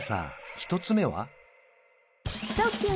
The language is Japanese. １つ目は？